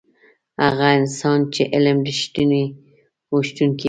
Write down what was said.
هغه انسان چې علم رښتونی غوښتونکی وي.